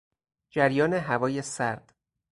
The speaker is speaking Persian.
جریان هوای سرد